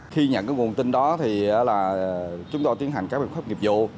khi nhận cái nguồn tin đó thì là chúng tôi tiến hành các biện pháp nghiệp vụ